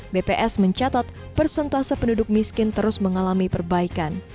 bps mencatat persentase penduduk miskin terus mengalami perbaikan